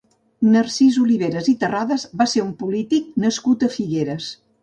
Narcís Oliveres i Terrades va ser un polític nascut a Figueres.